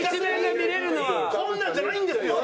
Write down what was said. こんなんじゃないんですよ！